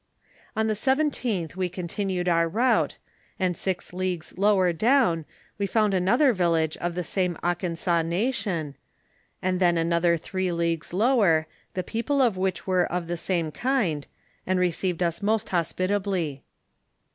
On the 17th we continued our route, and six leagues lower down we found another village of tho same Akansa nation, and then another three leagues lower, the people of which were of the same kind, and received us most hospitably.